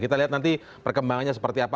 kita lihat nanti perkembangannya seperti apa